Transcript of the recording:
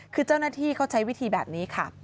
คือเจ้าหน้าที่เขาใช้วิธีแบบนี้ค่ะ